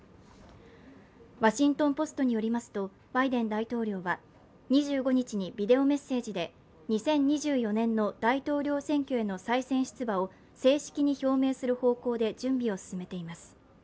「ワシントン・ポスト」によりますとバイデン大統領は２５日にビデオメッセージで、２０２４年の大統領選挙への再選出馬を正式に表明する方向で準備を進めています。